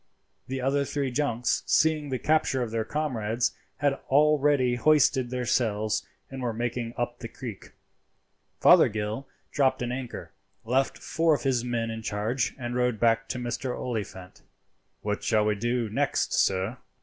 The other three junks, seeing the capture of their comrades, had already hoisted their sails, and were making up the creek. Fothergill dropped an anchor, left four of his men in charge, and rowed back to Mr. Oliphant. "What shall we do next, sir?"